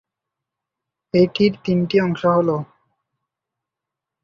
এটির তিনটি অংশ হল-